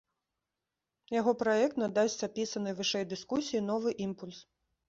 Яго праект надасць апісанай вышэй дыскусіі новы імпульс.